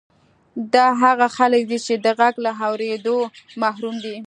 دا هغه خلک دي چې د غږ له اورېدو محروم دي